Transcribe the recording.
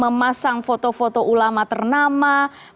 memasang foto foto ulama ternama